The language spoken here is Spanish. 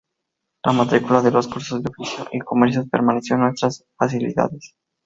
La matrícula de los cursos de Oficios y Comercios permaneció en nuestras facilidades.